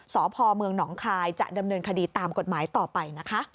สพเมืองหนองคายจะดำเนินคดีตามกฎหมายต่อไปนะคะ